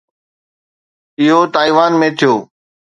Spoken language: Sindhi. اهو تائيوان ۾ ٿيو.